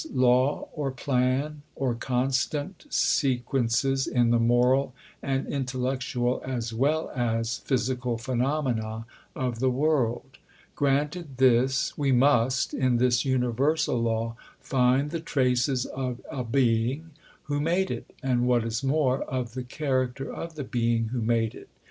_ law or plan or constant sequences in the moral and intellectual as well as physical phenomena of the world granted this, we must, in this universal law, find the traces of a Being who made it, and what is more of the character of the Being who made it.